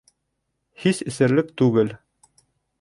Һис эсерлек түгел.